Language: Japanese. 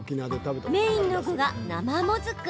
メインの具が生もずく。